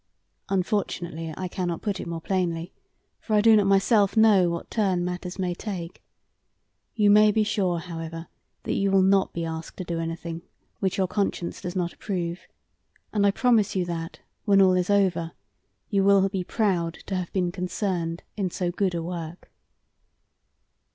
"Unfortunately I cannot put it more plainly, for I do not myself know what turn matters may take. You may be sure, however, that you will not be asked to do anything which your conscience does not approve; and I promise you that, when all is over, you will be proud to have been concerned in so good a work."